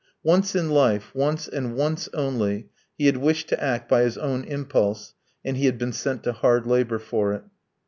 Once in life, once, and once only, he had wished to act by his own impulse and he had been sent to hard labour for it.